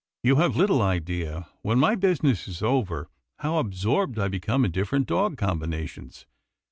You have little idea, when my business is over, how absorbed I become in different dog combinations.